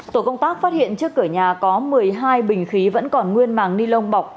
tổ công tác phát hiện trước cửa nhà có một mươi hai bình khí vẫn còn nguyên màng ni lông bọc